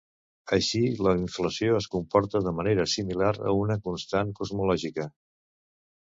Així, la inflació es comporta de manera similar a una constant cosmològica.